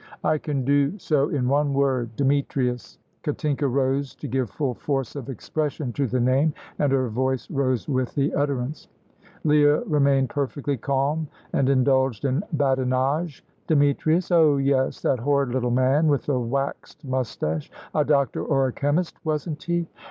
"I can do so in one word Demetrius." Katinka rose to give full force of expression to the name, and her voice rose with the utterance. Leah remained perfectly calm, and indulged in badinage. "Demetrius? Oh yes, that horrid little man with the waxed moustache: a doctor or a chemist, wasn't he?"